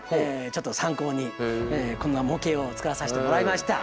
ちょっと参考にこんな模型を作らさしてもらいました。